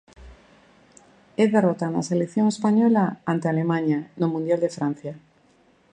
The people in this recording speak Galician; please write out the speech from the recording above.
E derrota da selección española ante Alemaña no Mundial de Francia...